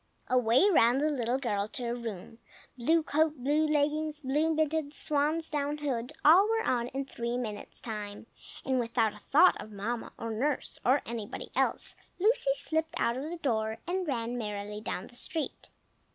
Away ran the little girl to her room. Blue coat, blue leggings, blue mittens, swan's down hood, all were on in three minutes' time; and without a thought of Mamma or nurse or anybody else, Lucy slipped out of the door, and ran merrily down the street.